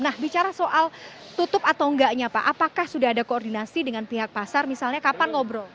nah bicara soal tutup atau enggaknya pak apakah sudah ada koordinasi dengan pihak pasar misalnya kapan ngobrol